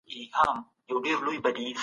هر وګړی د خپل جایداد خاوند دی.